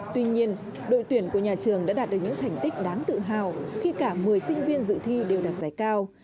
tuy nhiên đội tuyển của nhà trường đã đạt được những thành tích đáng tự hào khi cả một mươi sinh viên dự thi đều đạt giải cao